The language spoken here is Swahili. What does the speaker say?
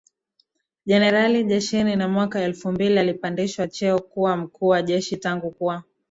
jenerali jeshini na mwaka elfu mbili alipandishwa cheo kuwa mkuu wa jeshiTangu kuwa